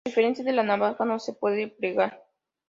A diferencia de la navaja, no se puede plegar.